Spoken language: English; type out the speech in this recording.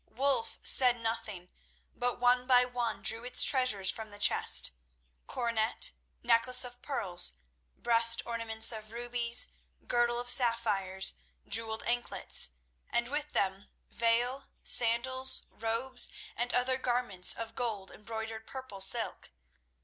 Wulf said nothing, but one by one drew its treasures from the chest—coronet, necklace of pearls, breast ornaments of rubies, girdle of sapphires, jewelled anklets, and with them veil, sandals, robes and other garments of gold embroidered purple silk.